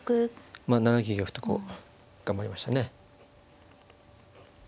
７九玉とこう頑張りましたね。